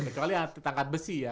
kali kali yang ati tangkat besi ya